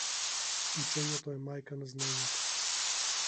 Учењето е мајка на знаењето.